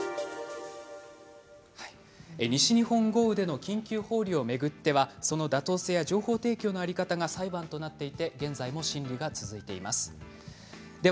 西日本豪雨での緊急放流を巡ってはその妥当性や情報提供の在り方が裁判となっていて現在も審理が続いています。